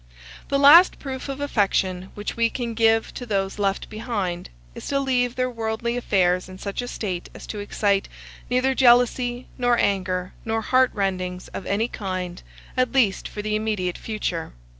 The last proof of affection which we can give to those left behind, is to leave their worldly affairs in such a state as to excite neither jealousy, nor anger, nor heartrendings of any kind, at least for the immediate future.